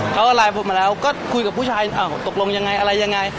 เขาไลน์ผมมาแล้วก็คุยกับผู้ชายตกลงยังไงอะไรยังไง